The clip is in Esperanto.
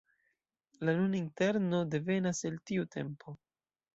La nuna interno devenas el tiu tempo.